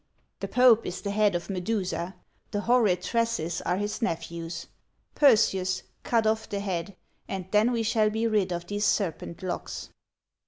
"The pope is the head of Medusa; the horrid tresses are his nephews; Perseus, cut off the head, and then we shall be rid of these serpent locks."